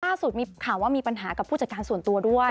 ล่าสุดมีข่าวว่ามีปัญหากับผู้จัดการส่วนตัวด้วย